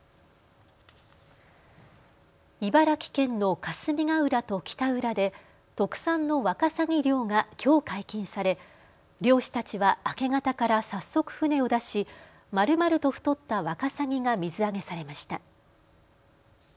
茨城県の霞ヶ浦と北浦で特産のワカサギ漁がきょう解禁され漁師たちは明け方から早速、船を出し、まるまると太ったワカサギが水揚げされました。